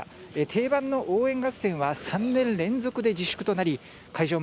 定番の応援合戦は３年連続で自粛となり会場